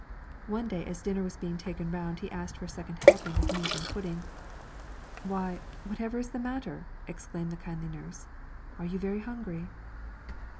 One day as dinner was being taken round he asked for a second helping of meat and pudding. "Why, whatever is the matter?" exclaimed the kindly nurse. "Are you very hungry?"